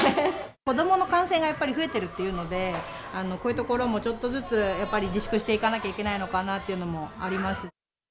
子どもの感染がやっぱり増えているというので、こういうところもちょっとずつ、やっぱり自粛していかなきゃいけないのかなというのもあります。